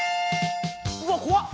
うわっ怖っ！